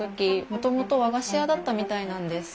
もともと和菓子屋だったみたいなんです。